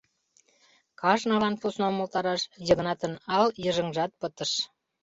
Кажнылан посна умылтараш Йыгнатын ал-йыжыҥжат пытыш.